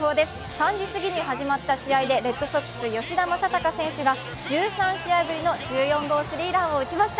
３時過ぎに始まった試合でレッドソックス・吉田正尚選手が１３試合ぶりの１４号ホームランを放ちました。